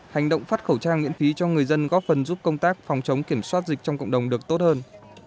hành động phát khẩu trang miễn phí cho người dân góp phần giúp công tác phòng chống kiểm soát dịch trong cộng đồng được tốt hơn